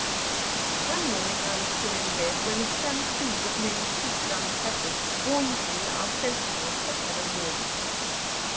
One morning I was still in bed, when a stampede of many feet down the passage warned me our sentinels had had a warning.